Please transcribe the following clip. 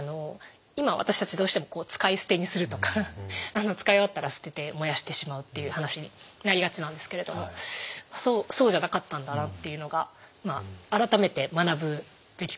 今私たちどうしても使い捨てにするとか使い終わったら捨てて燃やしてしまうっていう話になりがちなんですけれどもそうじゃなかったんだなっていうのが改めて学ぶべきことかもしれないですね。